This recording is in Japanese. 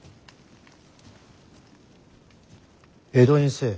江戸にせえ。